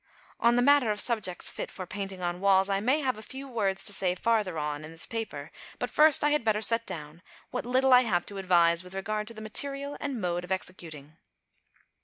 On the matter of subjects fit for painting on walls I may have a few words to say farther on in this paper, but first I had better set down what little I have to advise with regard to the material and mode of executing.